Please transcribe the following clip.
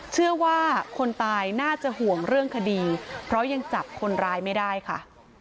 เชื่อว่าคนตายน่าจะห่วงเรื่องคดีเพราะยังจับคนร้ายไม่ได้ค่ะ